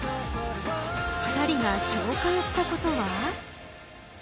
２人が共感したことは。